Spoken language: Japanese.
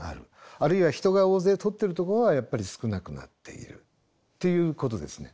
あるいは人が大勢通ってるとこはやっぱり少なくなっているということですね。